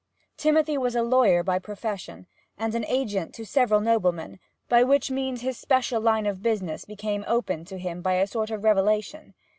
Timothy was a lawyer by profession, and agent to several noblemen, by which means his special line of business became opened to him by a sort of revelation.